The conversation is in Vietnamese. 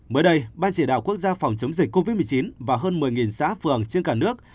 mới đây ban chỉ đạo quốc gia phòng chống dịch covid một mươi chín và hơn một mươi xã phường trên cả nước